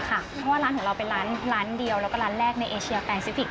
เพราะว่าร้านของเราเป็นร้านเดียวแล้วก็ร้านแรกในเอเชียแปซิฟิกส